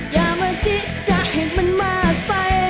อย่ามาจิจะให้มันมากไป